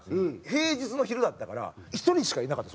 平日の昼だったから１人しかいなかったんですお客さんが。